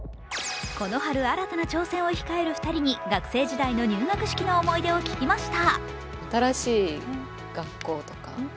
この春、新たな挑戦を控える２人に学生時代の入学式の思い出を聞きました。